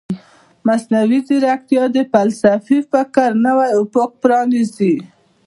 مصنوعي ځیرکتیا د فلسفي فکر نوی افق پرانیزي.